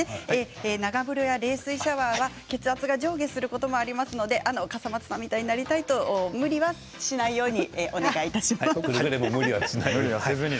長風呂や冷水シャワーは血圧が上下することがありますので笠松さんになりたいと思っても無理はしないようにしてください。